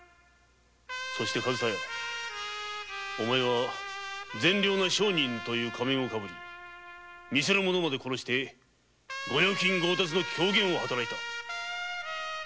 上総屋善良な商人という仮面をかぶり店の者まで殺して御用金強奪の狂言を働いた金の亡者め！